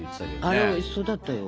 あれおいしそうだったよ。